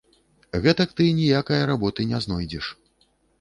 Гэтак ты ніякае работы не знойдзеш.